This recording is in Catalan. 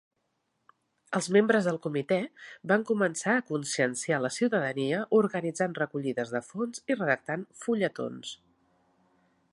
Els membres del comitè van començar a conscienciar la ciutadania organitzant recollides de fons i redactant fulletons.